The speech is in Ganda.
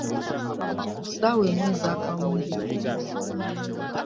Ku saawa emu ez'akawungezi .